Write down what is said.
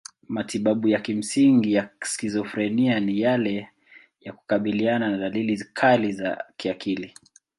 Matibabu ya kimsingi ya skizofrenia ni yale ya kukabiliana na dalili kali za kiakili.